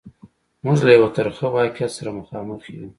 موږ له یوه ترخه واقعیت سره مخامخ یو.